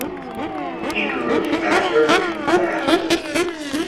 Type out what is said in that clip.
He grew fatter and fatter!